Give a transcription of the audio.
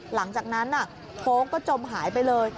หลังจากนั้นโค้งก็จมหายไปเลย